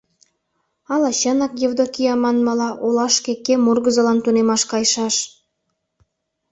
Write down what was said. Ала чынак, Евдокия манмыла, олашке кем ургызылан тунемаш кайышаш?